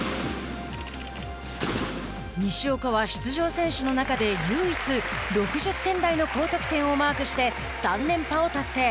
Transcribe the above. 西岡は出場選手の中で唯一、６０点台の高得点をマークして３連覇を達成。